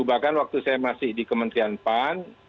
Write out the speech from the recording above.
bahkan waktu saya masih di kementerian pan